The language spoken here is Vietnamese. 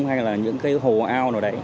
hay là những cái hồ ao nào đấy